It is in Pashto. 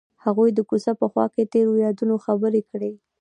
هغوی د کوڅه په خوا کې تیرو یادونو خبرې کړې.